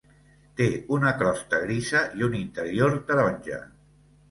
Té una crosta grisa i un interior taronja.